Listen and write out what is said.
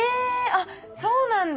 あっそうなんだ。